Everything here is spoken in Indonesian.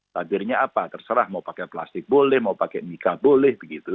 tabirnya apa terserah mau pakai plastik boleh mau pakai nika boleh begitu